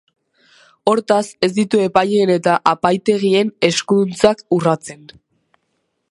Hortaz, ez ditu epaileen eta epaitegien eskuduntzak urratzen.